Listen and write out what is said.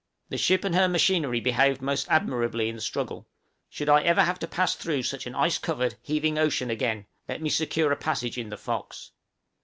The ship and her machinery behaved most admirably in the struggle; should I ever have to pass through such an ice covered, heaving ocean again, let me secure a passage in the 'Fox.'